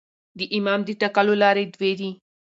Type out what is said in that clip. د امام د ټاکلو لاري دوې دي.